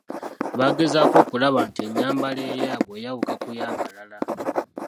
Bagezaako okulaba nti ennyambala eyaabwe eyawuka ku ya balala.